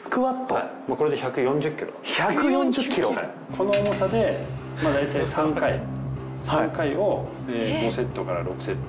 この重さで大体３回３回を５セットから６セット。